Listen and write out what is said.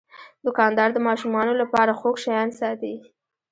دوکاندار د ماشومانو لپاره خوږ شیان ساتي.